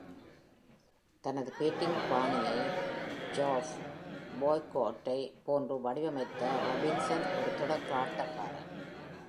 தனது பேட்டிங் பாணியை Geoff Boycott ஐ போன்று வடிவமைத்த Robinson, ஒரு தொடக்க ஆட்டக்காரர்.